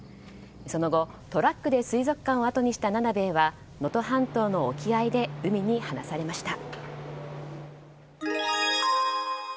その後、トラックで水族館をあとにしたナナベエは能登半島の沖合で海に放されました。